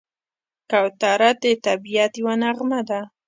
کوتره د طبیعت یوه نغمه ده.